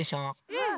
うん！